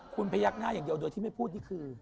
คุณพยักหน้าอย่างเดียวโดยที่ไม่พูดนี่คือ